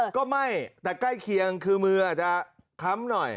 ก็ไม่แต่ใกล้เคียงคือมืออาจจะคล้ำหน่อย